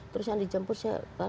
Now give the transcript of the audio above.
terus yang dijemput saya